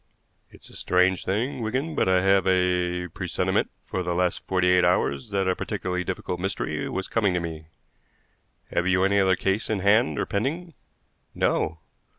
"It's a strange thing, Wigan, but I have had a presentiment for the last forty eight hours that a particularly difficult mystery was coming to me. Have you any other case in hand or pending?" "No."